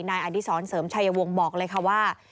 นายอดิษรเสริมชายวงบอกเลยว่า